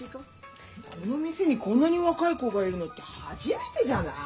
この店にこんなに若い子がいるのって初めてじゃない？